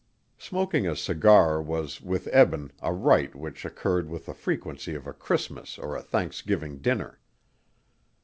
Smoking a cigar was with Eben a rite which occurred with the frequency of a Christmas or a Thanksgiving dinner.